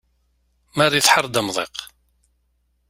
Mari tḥerr-d amḍiq.